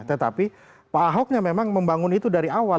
tetapi pak ahoknya memang membangun itu dari awal